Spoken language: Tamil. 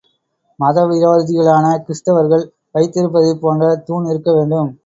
மத விரோதிகளான கிறிஸ்துவர்கள் வைத்திருப்பதைப் போன்ற தூண் இருக்க வேண்டும்.